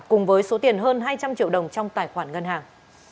cùng với số tiền hơn hai trăm linh triệu đồng trong tài khoản ngân hàng